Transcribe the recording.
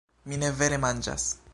Mi ne vere manĝas